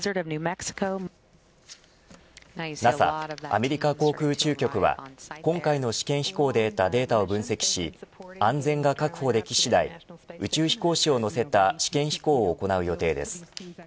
アメリカ航空宇宙局は今回の試験飛行で得たデータを分析し安全が確保でき次第宇宙飛行士を乗せた試験飛行を行う予定です。